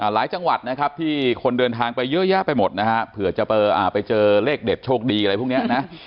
หลายจังหวัดนะครับที่คนเดินทางไปเยอะแยะไปหมดนะฮะเผื่อจะไปเจอเลขเด็ดโชคดีอะไรพวกนี้นะ